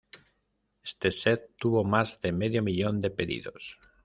Este set tuvo más de medio millón de pedidos.